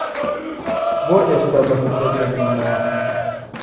بۆ ئێستا لە هۆتێل دەمێنمەوە.